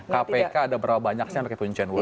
kpk ada berapa banyak sih yang pakai pencucian uang